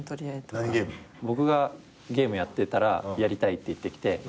僕がゲームやってたらやりたいって言ってきてやるんです。